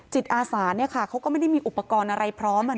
จิตอาสาเนี่ยค่ะเขาก็ไม่ได้มีอุปกรณ์อะไรพร้อมอ่ะ